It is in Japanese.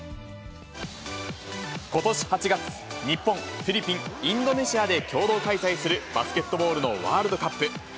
ことし８月、日本、フィリピン、インドネシアで共同開催するバスケットボールのワールドカップ。